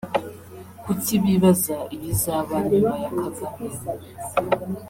kuki bibaza ibizaba nyuma ya Kagame